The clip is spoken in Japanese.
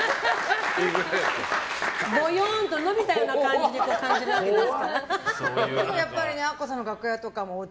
ぼよーんと伸びたような感じに感じるわけです。